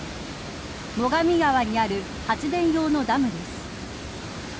最上川にある発電用のダムです。